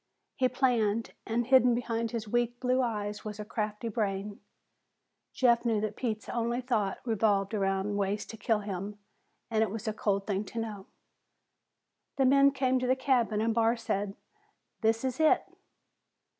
He planned, and hidden behind his weak blue eyes was a crafty brain. Jeff knew that Pete's only thought revolved around ways to kill him, and it was a cold thing to know. The men came to the cabin and Barr said, "This is hit."